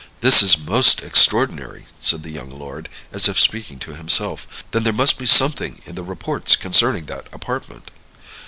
"This is most extraordinary," said the young lord, as if speaking to himself; "then there must be something in the reports concerning that apartment."